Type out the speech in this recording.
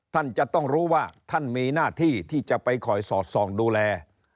ท่านจะต้องรู้ว่าท่านมีหน้าที่ที่จะไปคอยสอดส่องดูแล